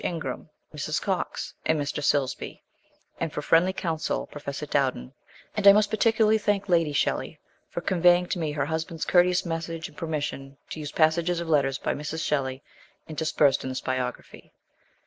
Ingram, Mrs. Cox, and Mr. Silsbee, and, for friendly counsel, Prof. Dowden ; and I must particularly thank Lady Shelley for con veying to me her husband's courteous message and permission to use passages of letters by Mrs. Shelley, interspersed in this biography.